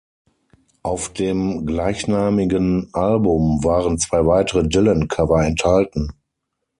Auf dem gleichnamigen Album waren zwei weitere Dylan-Cover enthalten.